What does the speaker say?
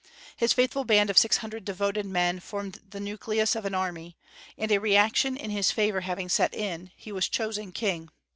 His faithful band of six hundred devoted men formed the nucleus of an army; and a reaction in his favor having set in, he was chosen king.